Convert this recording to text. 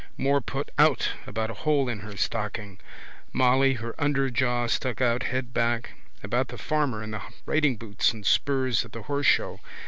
More put out about a hole in her stocking. Molly, her underjaw stuck out, head back, about the farmer in the ridingboots and spurs at the horse show.